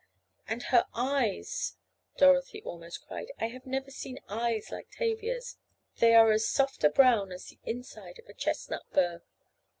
"And her eyes," Dorothy almost cried, "I have never seen eyes like Tavia's. They are as soft a brown as the inside of a chestnut burr."